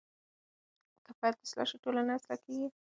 که فرد اصلاح شي ټولنه اصلاح کیږي.